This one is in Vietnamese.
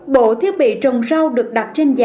bộ thiết bị trồng rau được đặt trên dây